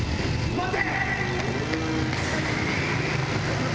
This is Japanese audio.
待て！